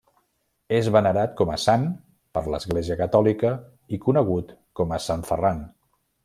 És venerat com a sant per l'Església catòlica i conegut com a Sant Ferran.